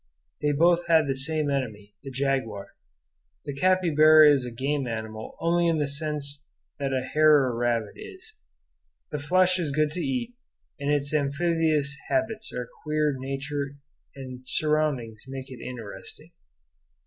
They both had the same enemy, the jaguar. The capybara is a game animal only in the sense that a hare or rabbit is. The flesh is good to eat, and its amphibious habits and queer nature and surroundings make it interesting.